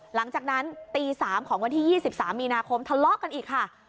หลังจากนั้นตี๓ของวันที่๒๓มีนาคมทะเลาะกันอีกค่ะ